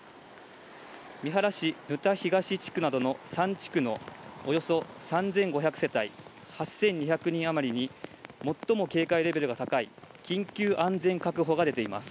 三原市沼田東地区などの３地区のおよそ３５００世帯８２００人余りに、最も警戒レベルが高い緊急安全確保が出ています。